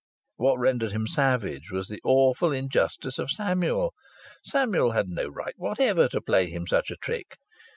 What rendered him savage was the awful injustice of Samuel. Samuel had no right whatever to play him such a trick.